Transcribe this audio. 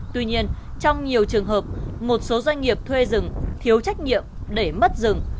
tuy nhiên trong nhiều trường hợp một số doanh nghiệp thuê rừng thiếu trách nhiệm để mất rừng